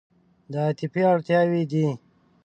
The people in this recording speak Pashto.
دا عاطفي اړتیاوې دي.